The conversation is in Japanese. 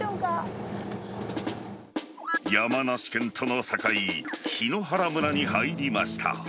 山梨県との境、檜原村に入りました。